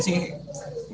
pasti nanti akan ada phk